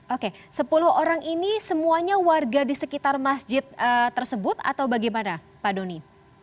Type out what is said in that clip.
oke sepuluh orang ini semuanya warga di sekitar masjid tersebut atau bagaimana pak doni